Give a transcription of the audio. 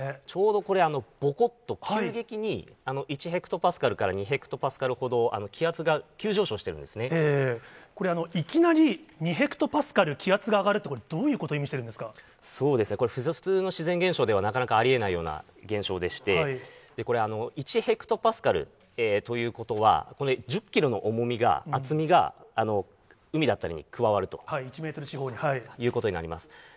ちょうどこれ、ぼこっと急激に、１ヘクトパスカルから２ヘクトパスカルほど、気圧が急上昇していこれ、いきなり２ヘクトパスカル気圧が上がるということは、どういうことを意味しているんでこれ、普通の自然現象では、なかなかありえないような現象でして、これ、１ヘクトパスカルということは、これ、１０キロの重みが、厚みが、１メートル四方に。ということになります。